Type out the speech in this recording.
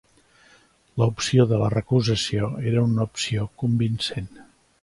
La opció de la recusació era una opció convincent.